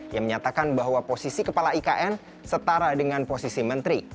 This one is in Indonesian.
yang menyatakan bahwa posisi kepala ikn setara dengan posisi menteri